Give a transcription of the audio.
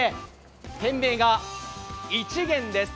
店名が、市玄です。